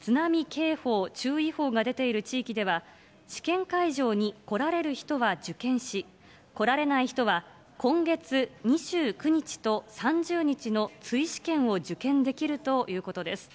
津波警報、注意報が出ている地域では、試験会場に来られる人は受験し、来られない人は今月２９日と３０日の追試験を受験できるということです。